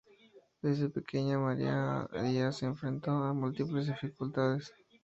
Desde pequeña, María A. Díaz se enfrentó a múltiples dificultades.